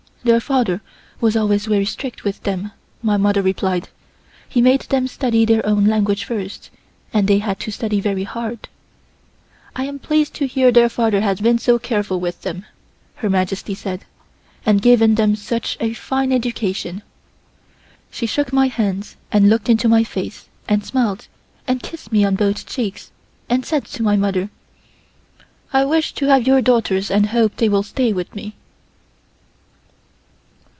"Their father was always very strict with them," my mother replied; "he made them study their own language first and they had to study very hard." "I am pleased to hear their father has been so careful with them," Her Majesty said, "and given them such a fine education." She took my hands and looked into my face and smiled and kissed me on both cheeks and said to my mother: "I wish to have your daughters and hope they will stay with me."